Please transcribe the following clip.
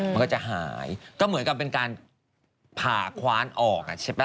มันก็จะหายก็เหมือนกับเป็นการผ่าคว้านออกใช่ป่